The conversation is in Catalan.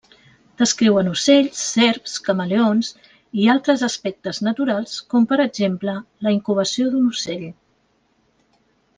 Descriuen ocells, serps, camaleons i altres aspectes naturals com per exemple la incubació d'un ocell.